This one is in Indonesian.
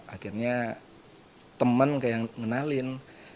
akhirnya temen kayak yang mengenalin